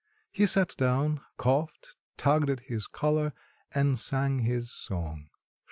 He sat down, coughed, tugged at his collar, and sang his song.